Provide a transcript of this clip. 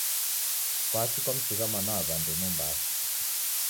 Kwaki kwamsigha mwana wa w'andu Mombasa?